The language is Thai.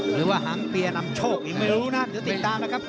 หรือว่าหางเปียนำโชคอีกไม่รู้นะเดี๋ยวติดตามนะครับ